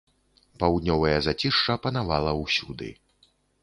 Паўднёвае зацішша панавала ўсюды.